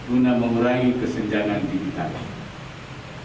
untuk mengurangi kesenjangan digital